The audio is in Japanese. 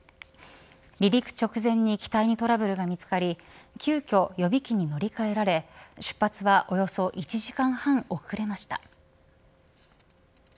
離陸直前に機体にトラブルが見つかり急きょ予備機に乗り換えられ出発はおよそ１時間半遅れました。